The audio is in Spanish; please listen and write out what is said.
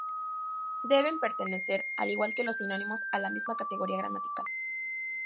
Deben pertenecer, al igual que los sinónimos, a la misma categoría gramatical.